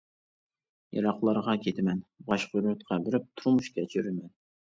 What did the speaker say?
يىراقلارغا كېتىمەن، باشقا يۇرتقا بېرىپ تۇرمۇش كەچۈرىمەن.